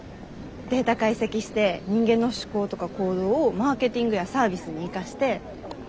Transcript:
データ解析して人間の思考とか行動をマーケティングやサービスに生かして。